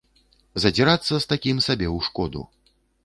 Задзірацца з такім сабе ў шкоду.